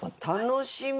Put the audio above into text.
楽しみ！